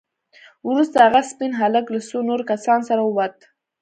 وروسته هغه سپين هلک له څو نورو کسانو سره ووت.